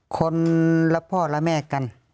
คนละพ่อละแม่กัน